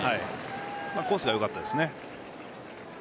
コースがよかったですね。